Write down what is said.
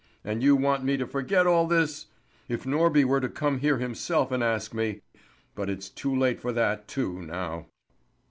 And you want me to forget all this? If Norby were to come here himself and ask me but it's too late for that too now."